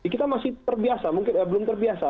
kita masih terbiasa mungkin belum terbiasa